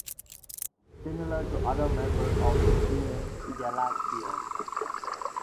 Similar to other member of genus "Galaxias".